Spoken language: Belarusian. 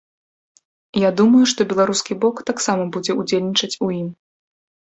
Я думаю, што беларускі бок таксама будзе ўдзельнічаць у ім.